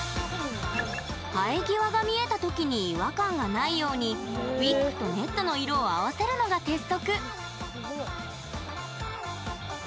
生え際が見えた時に違和感がないようにウィッグとネットの色を合わせるのが鉄則。